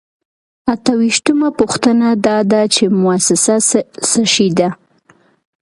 اته ویشتمه پوښتنه دا ده چې موسسه څه شی ده.